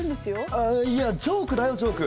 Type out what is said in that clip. ああいやジョークだよジョーク。